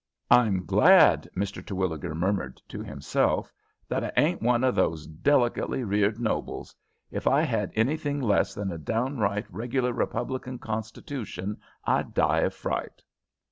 "I'm glad," Mr. Terwilliger murmured to himself, "that I ain't one of those delicately reared nobles. If I had anything less than a right down regular republican constitution I'd die of fright."